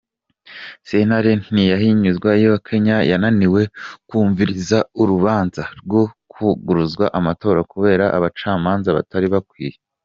Sentare ntahinyuzwa ya Kenya yananiwe kwumviriza urubanza rwo kwunguruza amatora kubera abacamanza batari bakwiye.